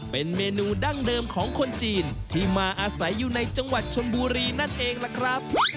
เป็นเมนูดั้งเดิมของคนจีนที่มาอาศัยอยู่ในจังหวัดชนบุรีนั่นเองล่ะครับ